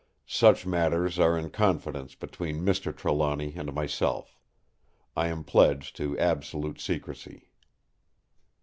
Such matters are in confidence between Mr. Trelawny and myself; I am pledged to absolute secrecy."